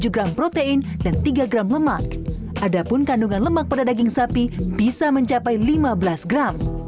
tujuh gram protein dan tiga gram lemak adapun kandungan lemak pada daging sapi bisa mencapai lima belas gram